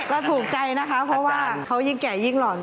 ก็ถูกใจนะคะเพราะว่าเขายิ่งแก่ยิ่งหล่อน